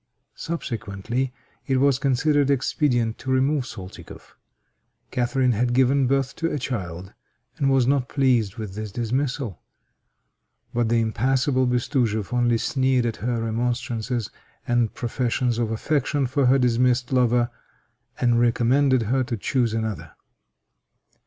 Subsequently, it was considered expedient to remove Soltikoff. Catharine had given birth to a child, and was not pleased with this dismissal; but the impassible Bestujeff only sneered at her remonstrances and professions of affection for the dismissed lover, and recommended her to choose another.